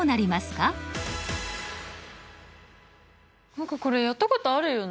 何かこれやったことあるよね。